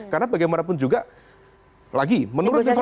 karena bagaimanapun juga lagi menurut informasi